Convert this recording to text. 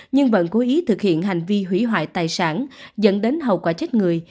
nhưng vẫn cố ý thực hiện hành vi hủy hoại tài sản dẫn đến hậu quả chết người